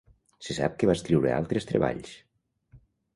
Se sap que va escriure altres treballs.